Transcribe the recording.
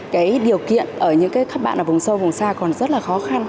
cái điều kiện ở những cái các bạn ở vùng sâu vùng xa còn rất là khó khăn